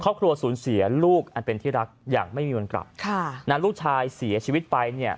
ครอบครัวสูญเสียลูกอันเป็นที่รักอย่างไม่มีวันกลับค่ะนานลูกชายเสียชีวิตไปเนี่ย